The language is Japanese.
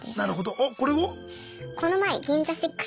おっこれは？